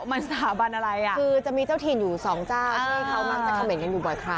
มันสถาบันอะไรอ่ะคือจะมีเจ้าถิ่นอยู่สองเจ้าที่เขามักจะเขม่นกันอยู่บ่อยครั้ง